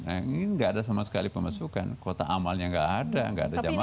ini gak ada sama sekali pemasukan kota amal yang gak ada gak ada jamaah